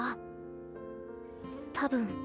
多分。